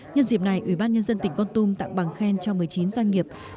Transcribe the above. nhân dịp này ủy ban nhân dân tỉnh con tum tặng bằng khen cho một mươi chín doanh nghiệp